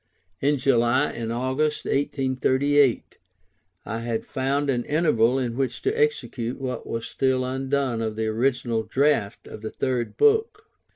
In July and August, 1838, I had found an interval in which to execute what was still undone of the original draft of the Third Book.